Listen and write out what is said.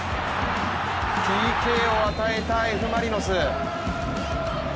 ＰＫを与えたＦ・マリノス。